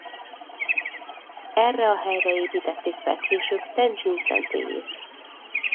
Erre a helyre építették fel később Tendzsin szentélyét.